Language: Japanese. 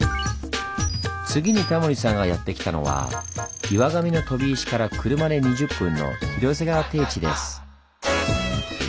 次にタモリさんがやって来たのは岩神の飛石から車で２０分の広瀬川低地です。